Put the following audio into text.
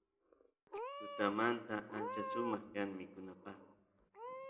tutamanta ancha sumaq kan mikunapaq